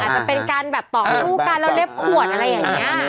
อาจจะเป็นการแบบต่อกลูกลาเล็บขวดอะไรอย่างนี้